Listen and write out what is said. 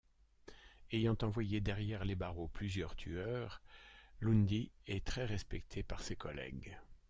Ayant envoyé derrière les barreaux plusieurs tueurs, Lundy est très respecté par ses collègues.